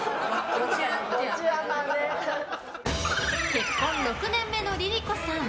結婚６年目のＬｉＬｉＣｏさん。